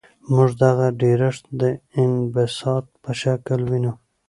موږ دغه ډیرښت د انبساط په شکل وینو.